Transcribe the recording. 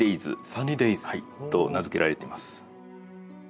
「サニーデイズ」！と名付けられています。